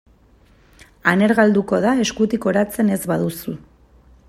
Aner galduko da eskutik oratzen ez baduzu.